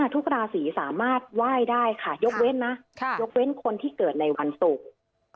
ทุกราศีสามารถไหว้ได้ค่ะยกเว้นนะยกเว้นคนที่เกิดในวันศุกร์